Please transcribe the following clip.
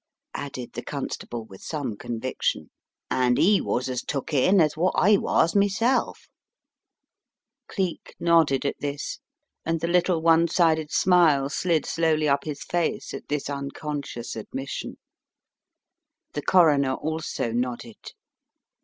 added the constable with some conviction, "and 'e was as took in as wot I was meself ." Cleek nodded at this, and the little one sided smile slid slowly up his face at this unconscious admission. The coroner also nodded.